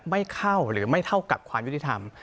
ไม่เข้าหรือไม่เท่ากับความยุติธรรม